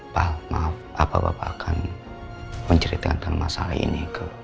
pak maaf apa bapak akan menceritakan masalah ini ke mas surya dan tante sarah